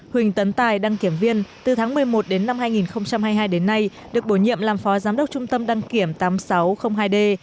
huỳnh tấn tài đăng kiểm viên từ tháng một mươi một đến năm hai nghìn hai mươi hai đến nay được bổ nhiệm làm phó giám đốc trung tâm đăng kiểm tám nghìn sáu trăm linh hai d